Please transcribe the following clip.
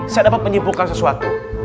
saya dapat menyimpulkan sesuatu